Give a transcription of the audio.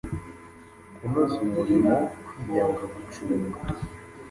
kunoza umurimo, kwiyanga, gucunga